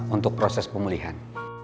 untuk proses pemulihan